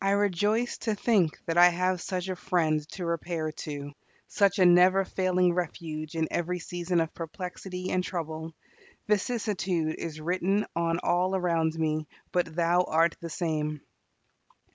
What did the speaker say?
I rejoice to think that I have such a Friend to repair to such a never failing refuge in every season of perplexity and trouble; vicissitude is written on all around me, but "Thou art the same."